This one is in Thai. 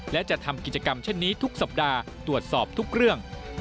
และจะทำกิจกรรมเช่นนี้ทุกสัปดาห์ตรวจสอบทุกเรื่อง